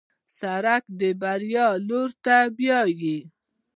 سړک د بریا لور ته بیایي.